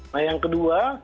nah yang kedua